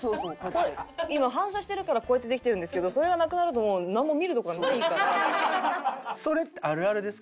今反射してるからこうやってできてるんですけどそれがなくなるともうそれってあるあるですか？